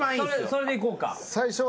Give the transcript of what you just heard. それでいこうか。